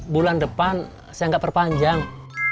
bulan depan saya nggak perpanjang